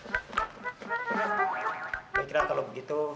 akhirnya kalau begitu